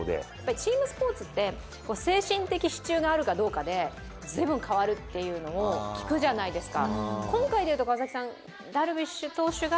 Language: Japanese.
チームスポーツって精神的支柱があるかどうかで随分変わるって聞くじゃないですか。